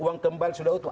uang kembali sudah utuh